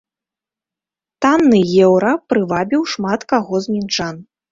Танны еўра прывабіў шмат каго з мінчан.